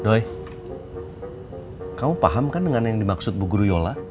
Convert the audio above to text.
doy kamu paham kan dengan yang dimaksud bu guru yola